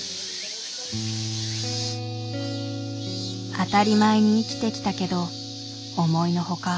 当たり前に生きてきたけど思いのほか